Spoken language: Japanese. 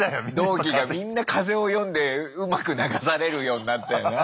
同期がみんな風を読んでうまく流されるようになったよな。